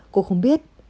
cô không biết